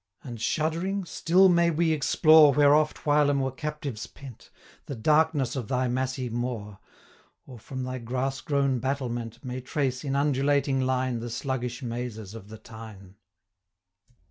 And, shuddering, still may we explore, 230 Where oft whilom were captives pent, The darkness of thy Massy More; Or, from thy grass grown battlement, May trace, in undulating line, The sluggish mazes of the Tyne.